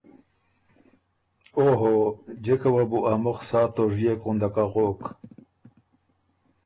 ”او هو۔۔۔ جِکه وه بو ا مُخ سا توژيېک غُندک اغوک“